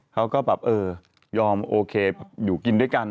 เขาก็แบบเออยอมโอเคอยู่กินด้วยกัน